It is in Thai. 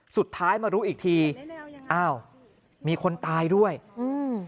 สุดท้ายมารู้อีกทีอ้าวมีคนตายด้วยอืม